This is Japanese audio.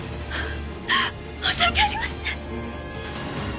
申し訳ありません！